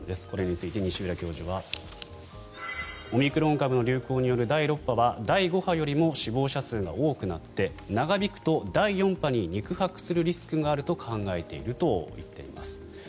これについて、西浦教授はオミクロン株の流行による第６波は第５波よりも死亡者数が多くなって長引くと第４波に肉薄するリスクがあると考えていると言っています。